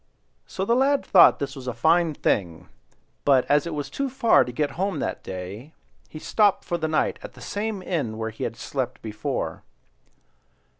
'" So the lad thought this a fine thing; but as it was too far to get home that day, he stopped for the night at the same inn where he had slept before.